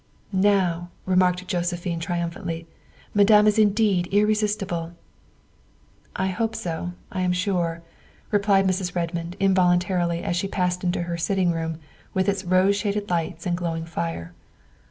" Now," remarked Josephine triumphantly, " Ma dame is indeed irresistible." ' I hope so, I am sure," replied Mrs. Redmond invol untarily as she passed into her sitting room with its rose shaded lights and glowing fire.